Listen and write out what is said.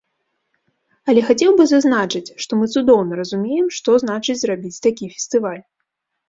Але хацеў бы зазначыць, што мы цудоўна разумеем, што значыць зрабіць такі фестываль.